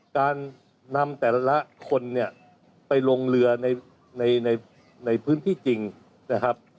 การนำแต่ละคนเนี่ยไปลงเรือในพื้นที่จริงนะครับ